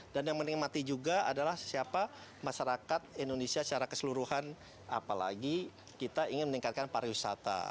dan yang menikmati juga adalah siapa masyarakat indonesia secara keseluruhan apalagi kita ingin meningkatkan pariwisata